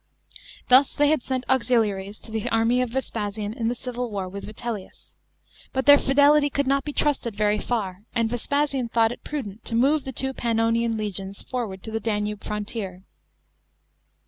Thus they had sent auxiliaries to the army of Vespasian in the civil war with Vitellius. But their fidelity could not be trusted very far, and Vespasian thought it prudent to move the two Pannonian legions forward to the Danube frontier.